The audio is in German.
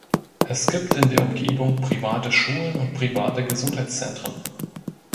Es gibt in der Umgebung private Schulen und private Gesundheitszentren.